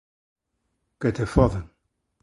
Que te fodan!